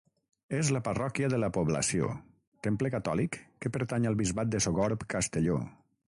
És la parròquia de la població, temple catòlic que pertany al bisbat de Sogorb-Castelló.